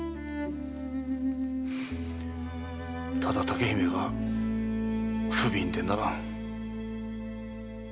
ただ竹姫が不憫でならん。